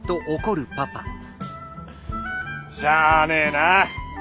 しゃねえな。